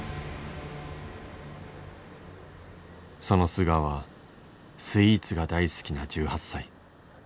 その素顔はスイーツが大好きな１８歳。